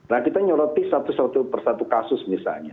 nah kita nyoroti satu satu per satu kasus misalnya